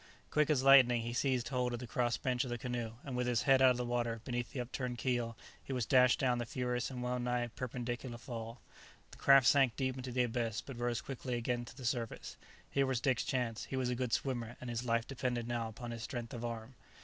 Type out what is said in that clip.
Quick as lightning he seized hold of the cross bench of the canoe, and with his head out of water beneath the upturned keel, he was dashed down the furious and well nigh perpendicular fall. The craft sank deep into the abyss, but rose quickly again to the surface. Here was Dick's chance, he was a good swimmer, and his life depended now upon his strength of arm.